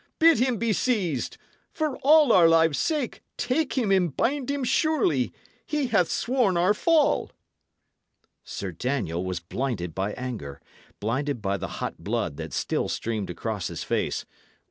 bid him be seized! For all our lives' sakes, take him and bind him surely! He hath sworn our fall." Sir Daniel was blinded by anger blinded by the hot blood that still streamed across his face.